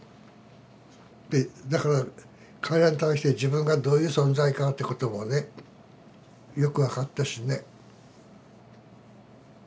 でだから彼らに対して自分がどういう存在かってこともねよく分かったしね。